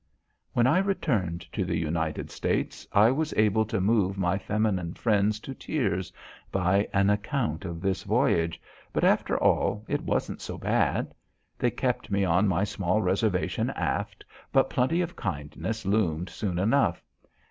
When I returned to the United States, I was able to move my feminine friends to tears by an account of this voyage, but, after all, it wasn't so bad. They kept me on my small reservation aft, but plenty of kindness loomed soon enough.